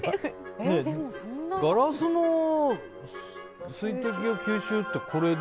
ガラスの水滴吸収って、これで？